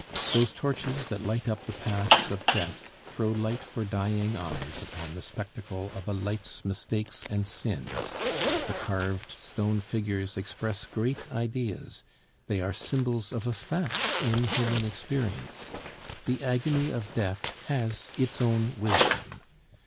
Those torches that light up the paths of death throw light for dying eyes upon the spectacle of a life's mistakes and sins; the carved stone figures express great ideas, they are symbols of a fact in human experience. The agony of death has its own wisdom.